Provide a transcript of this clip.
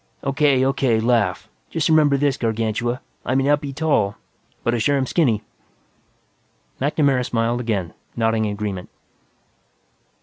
"O.K., O.K. Laugh. Just remember this, Gargantua; I may not be tall, but I sure am skinny." MacNamara smiled again, nodding agreement.